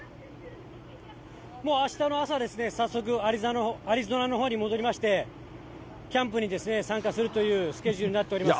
もうあしたの朝ですね、早速アリゾナのほうに戻りまして、キャンプに参加するというスケジュールになっております。